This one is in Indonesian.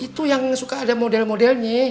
itu yang suka ada model modelnya